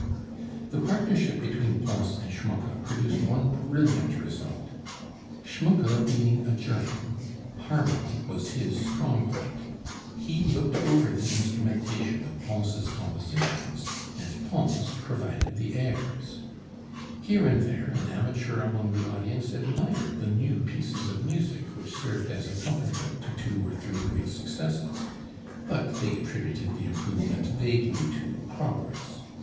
The partnership between Pons and Schmucke produced one brilliant result. Schmucke being a German, harmony was his strong point; he looked over the instrumentation of Pons' compositions, and Pons provided the airs. Here and there an amateur among the audience admired the new pieces of music which served as accompaniment to two or three great successes, but they attributed the improvement vaguely to "progress."